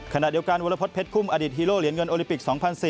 ขณะเดียวกันวรพฤษเพชรกุ้มอดีตฮีโร่เหรียญเงินโอลิปิก๒๐๐๔